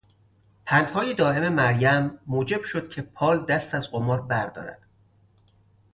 پندهای دائم مریم موجب شد که پال دست از قمار بردارد.